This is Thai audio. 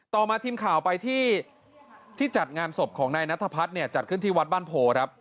ต่อมาทีมข่าวไปที่ที่จัดงานศพของนายนัทพัฒน์เนี่ยจัดขึ้นที่วัดบ้านโพครับ